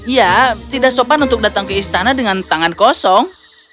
ya tidak sopan untuk datang ke istana dengan tangan kosong